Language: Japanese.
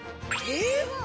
えっ？